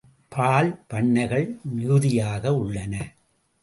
பால் பண்ணைகள் மிகுதியாக உள்ளன.